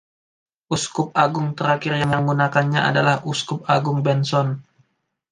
Uskup Agung terakhir yang menggunakannya adalah Uskup Agung Benson.